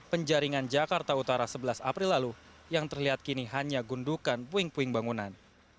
penjaringan jakarta utara sebelas april lalu yang terlihat kini hanya gundukan puing puing bangunan